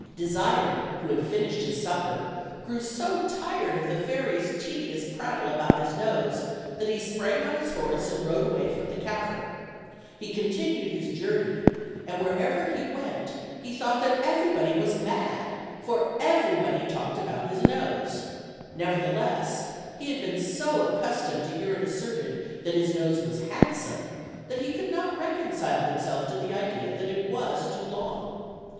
Desire, who had finished his supper, grew so tired of the fairy's tedious prattle about his nose that he sprang on his horse and rode away from the cavern. He con tinued his journey; and wherever he went he thought that everybody was mad, for everybody talked about his nose; nevertheless, he had been so accustomed to hear it asserted that his nose was handsome that he could not reconcile himself to the idea that it was too long.